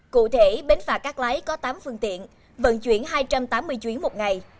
cụ thể bến phà cắt lái có tám phương tiện vận chuyển hai trăm tám mươi chuyến một ngày